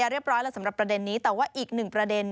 และสำหรับประเด็นนี้แต่ว่าอีกหนึ่งประเด็น